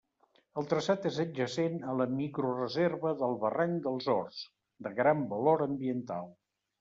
El traçat és adjacent a la microreserva del barranc dels Horts, de gran valor ambiental.